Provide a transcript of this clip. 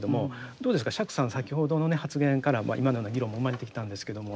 どうですか釈さん先ほどの発言から今のような議論も生まれてきたんですけども。